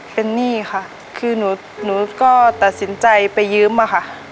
เป็นหนี้ค่ะคือหนูก็ตัดสินใจไปยืมอะค่ะ